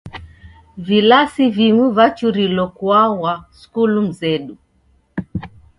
Vilasi vimu vachurilo kuaghwa skulu mzedu.